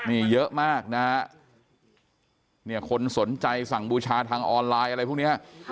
นี่เยอะมากนะฮะเนี่ยคนสนใจสั่งบูชาทางออนไลน์อะไรพวกนี้